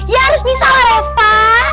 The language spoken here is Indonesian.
ya harus bisa lah reva